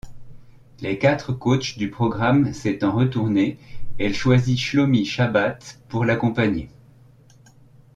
Les quatre coachs du programme s'étant retournés, elle choisit Shlomi Shabat pour l'accompagner.